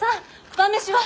晩飯は？